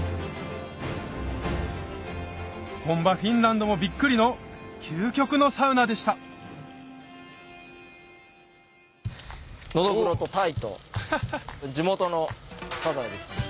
本場フィンランドもビックリの究極のサウナでしたノドグロとタイと地元のサザエです。